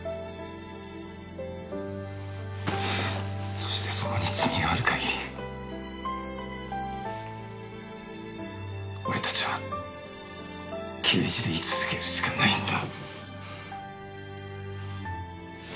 そしてそこに罪がある限り俺たちは刑事で居続けるしかないんだ。